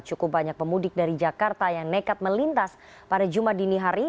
cukup banyak pemudik dari jakarta yang nekat melintas pada jumat dini hari